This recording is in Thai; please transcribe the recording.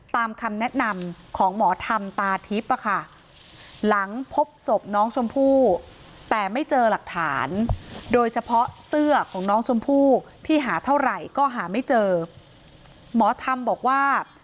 ตามคำแนะนำของหมอธรรมตาทิพย์หลังพบศพน้องชมพู่แต่ไม่เจอหลักฐาน